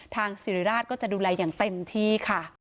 สิริราชก็จะดูแลอย่างเต็มที่ค่ะ